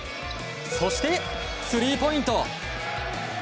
そして、スリーポイント！